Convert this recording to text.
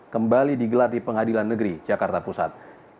kembali digelar di pengadilan negeri jakarta pusat